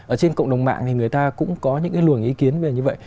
ở trên cộng đồng mạng thì người ta cũng có những cái luồng ý kiến về như vậy